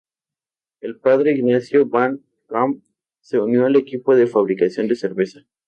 El padre Ignacio van Ham se unió al equipo de fabricación de cerveza.